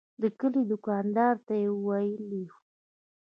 د کلي دوکاندار ته یې ویلي و.